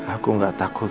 aku gak takut